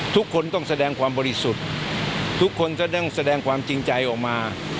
ทุกคนต้องแสดงความบริสุทธิ์ทุกคนก็ต้องแสดงความจริงใจออกมา